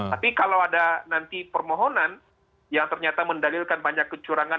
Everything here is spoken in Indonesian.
tapi kalau ada nanti permohonan yang ternyata mendalilkan banyak kecurangan